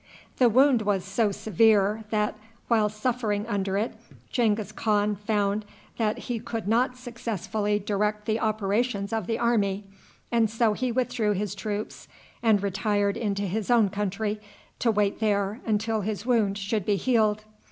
The wound was so severe that, while suffering under it, Genghis Khan found that he could not successfully direct the operations of his army, and so he withdrew his troops and retired into his own country, to wait there until his wound should be healed.